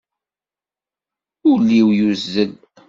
Uli-w yuzzel.